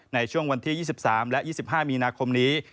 ในช่วงวันที่๒๓และ๒๕มีนาคมนี้